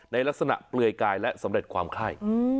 ในลักษณะเปลือยกายและสำเร็จความไข้